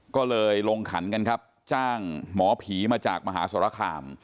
ก็เลยลงขันกันครับจ้างหมอผีมาจากมหาสรคาม